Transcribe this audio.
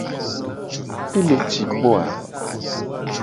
Ele ci kpo a?